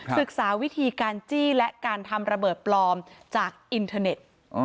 ศึกษาวิธีการจี้และการทำระเบิดปลอมจากอินเทอร์เน็ต